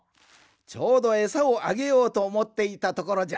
ちょうどえさをあげようとおもっていたところじゃ。